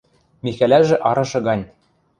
Михӓлӓжӹ арышы гань: